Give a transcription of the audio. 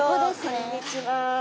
こんにちは。